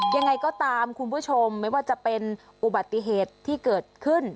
ยังไงก็ตามคุณผู้ชมไม่ว่าจะเป็นอุบัติเหตุที่เกิดขึ้น